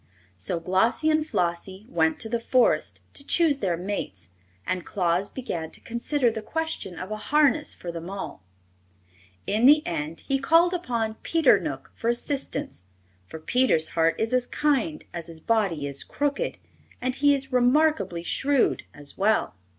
So Glossie and Flossie went to the Forest to choose their mates, and Claus began to consider the question of a harness for them all. In the end he called upon Peter Knook for assistance, for Peter's heart is as kind as his body is crooked, and he is remarkably shrewd, as well.